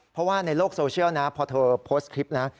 เพราะว่าในโลกโซเชียลนะพอเธอโพสต์คลิปนะ